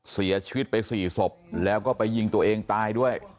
เสียชีวิตไป๔ศพแล้วก็ไปยิงตัวเองตายด้วย